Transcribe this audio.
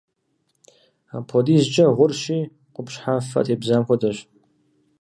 Апхуэдизкӏэ гъурщи, къупщхьэм фэ тебзам хуэдэщ.